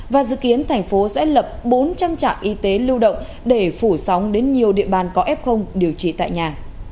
và dự kiến thành phố sẽ lập bốn trăm linh trạm y tế lưu động để phủ sóng đến nhiều địa bàn có f điều trị tại nhà